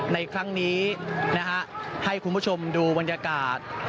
ในครั้งนี้นะฮะให้คุณผู้ชมดูบรรยากาศ